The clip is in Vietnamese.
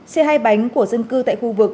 xe hay bánh của dân cư tại khu vực